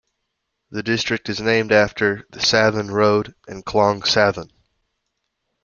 The district is named after the Sathon Road and Khlong Sathon.